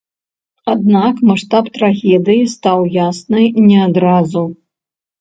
Аднак маштаб трагедыі стаў ясны не адразу.